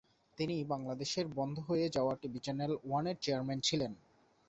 তিনি বাংলাদেশের বন্ধ হয়ে যাওয়া টিভি চ্যানেল ওয়ানের চেয়ারম্যান ছিলেন।